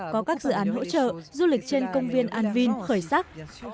có các dự án hỗ trợ du lịch trên công viên an vin khởi sắc